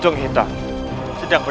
an tua dua aku